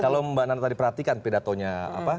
kalau mbak nanda tadi perhatikan pedatonya apa